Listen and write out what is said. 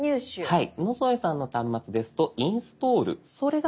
はい。